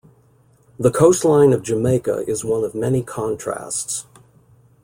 The coastline of Jamaica is one of many contrasts.